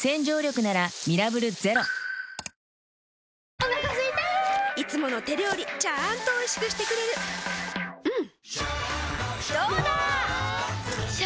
お腹すいたいつもの手料理ちゃんとおいしくしてくれるジューうんどうだわ！